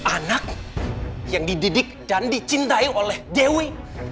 anak yang dididik dan dicintai oleh dewi